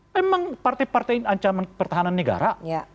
memang partai partai ancaman pertahanan negara